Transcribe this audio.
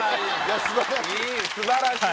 素晴らしい。